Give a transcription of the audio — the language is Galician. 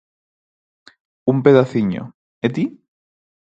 –Un pedaciño, ¿e ti?